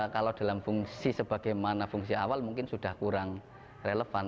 kalau dalam fungsi sebagaimana fungsi awal mungkin sudah kurang relevan